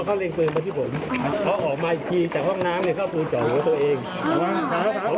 คือเขาออกมาอีกทีจากห้องน้ำเขาพูดเจาะไว้ตัวเอง